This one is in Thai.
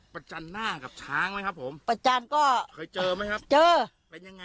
จันหน้ากับช้างไหมครับผมประจันทร์ก็เคยเจอไหมครับเจอเป็นยังไง